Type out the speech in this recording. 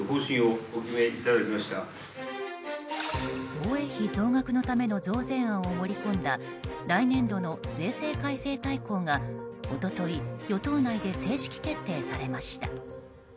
防衛費増額のための増税案を盛り込んだ来年度の税制改正大綱が一昨日、与党内で正式決定されました。